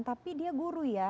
tapi dia guru ya